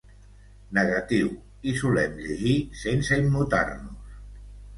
Negatiu, hi solem llegir sense immutar-nos.